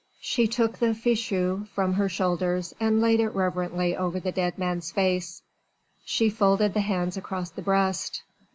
She took the fichu from her shoulders and laid it reverently over the dead man's face: she folded the hands across the breast.